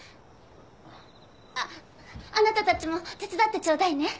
あっあなたたちも手伝ってちょうだいね。